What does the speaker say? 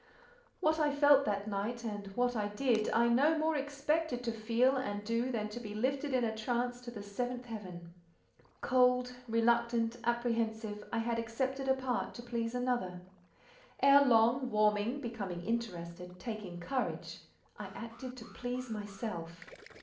What I felt that night, and what I did, I no more expected to feel and do, than to be lifted in a trance to the seventh heaven. Cold, reluctant, apprehensive, I had accepted a part to please another: ere long, warming, becoming interested, taking courage, I acted to please myself.